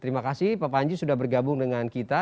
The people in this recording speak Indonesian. terima kasih pak panji sudah bergabung dengan kita